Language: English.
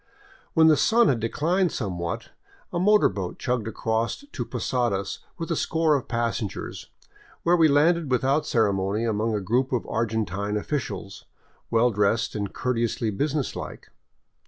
When the sun had declined somewhat, a motor boat chugged across to Posadas with a score of passengers, where we landed without ceremony among a group of Argentine of ficials, well dressed and courteously business like.